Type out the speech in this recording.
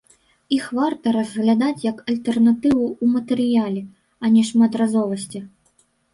Іх варта разглядаць як альтэрнатыву ў матэрыяле, а не шматразовасці.